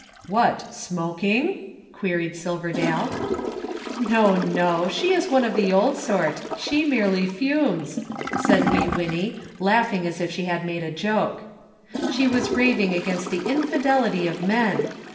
"What smoking?" queried Silverdale. "No, no, she is one of the old sort. She merely fumes," said Wee Winnie, laughing as if she had made a joke. "She was raving against the infidelity of men.